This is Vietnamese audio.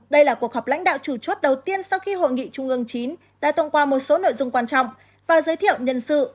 đây là cuộc họp lãnh đạo chủ chốt đầu tiên sau khi hội nghị trung ương chín đã thông qua một số nội dung quan trọng và giới thiệu nhân sự